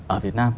ở việt nam